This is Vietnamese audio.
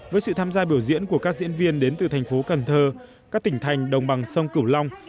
với sự tham gia biểu diễn của các diễn viên đến từ thành phố cần thơ các tỉnh thành đồng bằng sông cửu long